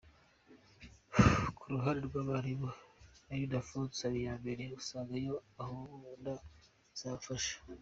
Ku ruhande rw’abarimu, Ildephonse Habiyambere asanga iyo gahunda izabafasha.